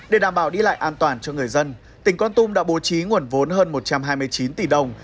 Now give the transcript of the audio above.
để đảm bảo đi lại an toàn cho người dân tỉnh con tum đã bố trí nguồn vốn hơn một trăm hai mươi chín tỷ đồng